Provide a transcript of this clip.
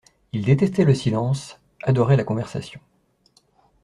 Il détestait le silence, adorait la conversation.